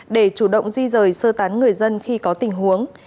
để chủ động di rời sơ tán người dân khi có tình huống